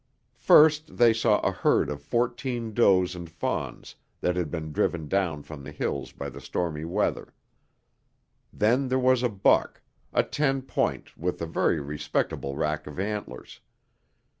First they saw a herd of fourteen does and fawns that had been driven down from the hills by the stormy weather. Then there was a buck, a ten point with a very respectable rack of antlers.